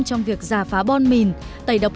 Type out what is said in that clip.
trong việc giả phá bon mìn tẩy độc